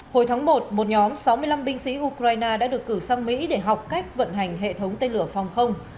hồi tháng một một nhóm sáu mươi năm binh sĩ ukraine đã được cử sang mỹ để học cách vận hành hệ thống tên lửa phòng không